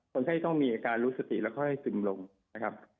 คนไข้ต้องมีอาการรู้สติแล้วก็ให้ซึมลงนะครับ